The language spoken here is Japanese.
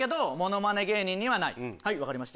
はい分かりました。